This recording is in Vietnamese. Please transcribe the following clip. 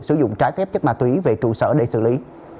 sử dụng trái phép chất ma túy về trụ sở để xử lý